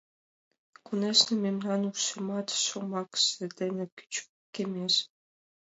Конешне, мемнан ушемат шомакше дене кӱчыкемеш.